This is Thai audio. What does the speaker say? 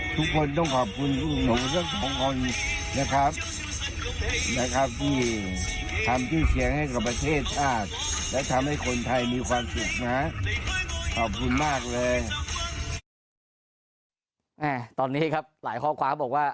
ทุกคนต้องขอบคุณกับผ่านหลังเศษของคน